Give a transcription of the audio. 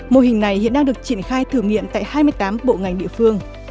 mô hình này hiện đang được triển khai thử nghiệm tại hai mươi tám bộ ngành địa phương